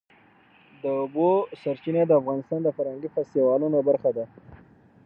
د اوبو سرچینې د افغانستان د فرهنګي فستیوالونو برخه ده.